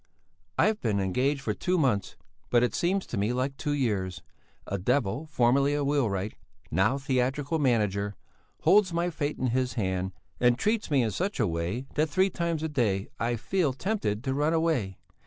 I've been engaged for two months, but it seems to me like two years. A devil, formerly a wheelwright, now theatrical manager, holds my fate in his hand, and treats me in such a way that three times a day I feel tempted to run away.